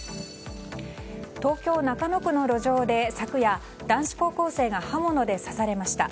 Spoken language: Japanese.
東京・中野区の路上で昨夜、男子高校生が刃物で刺されました。